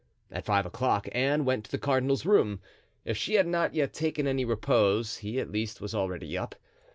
At five o'clock Anne went to the cardinal's room. If she had not yet taken any repose, he at least was already up.